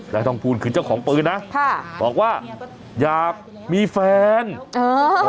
ทองภูลคือเจ้าของปืนนะค่ะบอกว่าอยากมีแฟนเออ